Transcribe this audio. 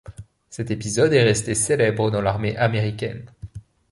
Cet épisode est resté célèbre dans l’armée américaine.